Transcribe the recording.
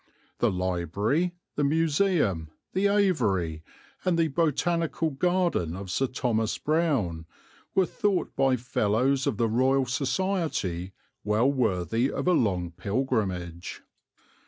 The library, the museum, the aviary, and the botanical garden of Sir Thomas Browne, were thought by Fellows of the Royal Society well worthy of a long pilgrimage.